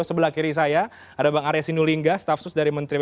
sebelah kiri saya ada bang arya sinulingga staff sus dari menteri bumn